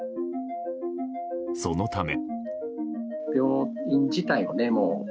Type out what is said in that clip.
そのため。